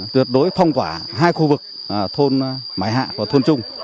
tuyệt đối phong quả hai khu vực thôn mãi hạ và thôn trung